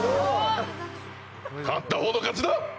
勝った方の勝ちだ！